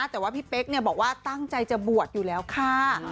แต่ว่าพี่เป๊กบอกว่าตั้งใจจะบวชอยู่แล้วค่ะ